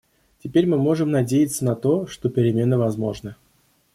Теперь мы можем надеяться на то, что перемены возможны.